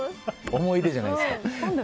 思い出じゃないですか。